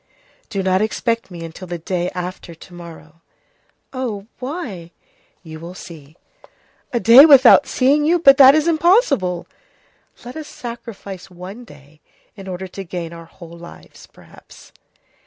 "Do not expect me until the day after to morrow." "Oh! Why?" "You will see." "A day without seeing you! But that is impossible!" "Let us sacrifice one day in order to gain our whole lives, perhaps."